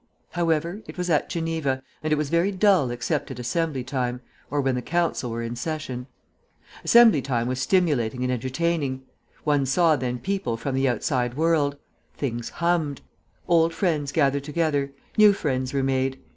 However, it was at Geneva, and it was very dull except at Assembly time, or when the Council were in session. Assembly time was stimulating and entertaining. One saw then people from the outside world; things hummed. Old friends gathered together, new friends were made.